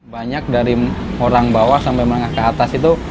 banyak dari orang bawah sampai menengah ke atas itu